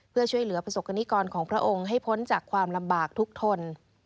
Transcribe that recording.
เพื่อช่วยเหลือประสบกรณิกรของพระองค์ให้พ้นจากความลำบากทุกทน